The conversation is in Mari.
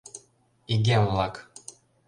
Игем-влак!..